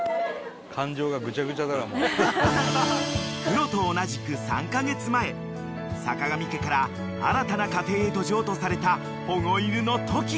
［クロと同じく３カ月前さかがみ家から新たな家庭へと譲渡された保護犬のトキ］